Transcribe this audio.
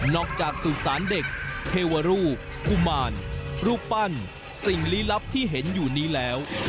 จากสุสานเด็กเทวรูปกุมารรูปปั้นสิ่งลี้ลับที่เห็นอยู่นี้แล้ว